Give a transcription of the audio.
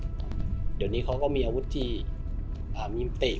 เหมือนวันนี้เค้าก็มีอาวุธจีนมีอาวุธเตะ